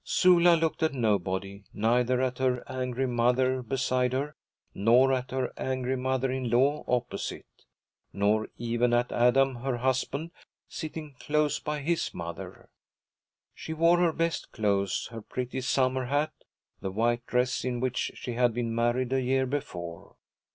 Sula looked at nobody, neither at her angry mother beside her, nor at her angry mother in law opposite, nor even at Adam her husband, sitting close by his mother. She wore her best clothes, her pretty summer hat, the white dress in which she had been married a year before.